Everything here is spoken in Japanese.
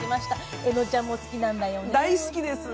えのちゃんも好きなんだよね。